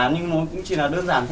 nhưng nó cũng chỉ là đơn giản